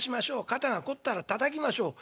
肩が凝ったらたたきましょう。